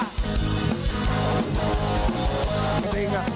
จริงนะ